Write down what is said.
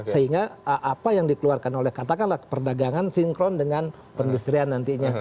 sehingga apa yang dikeluarkan oleh katakanlah perdagangan sinkron dengan perindustrian nantinya